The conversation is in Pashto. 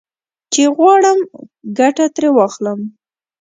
چې غواړم ګټه ترې واخلم.